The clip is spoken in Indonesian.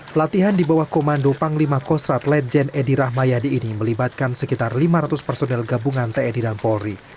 pelatihan di bawah komando panglima kostrat ledjen edi rahmayadi ini melibatkan sekitar lima ratus personel gabungan tni dan polri